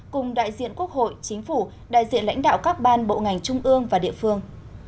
cùng đại diện quốc hội chính phủ đại diện lãnh đạo các ban bộ ngành trung ương và địa phương